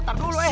tar dulu eh